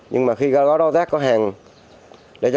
nhưng mà khi có đối tác